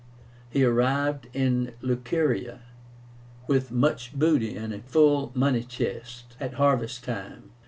He arrived in Luceria, with much booty and a full money chest, at harvest time.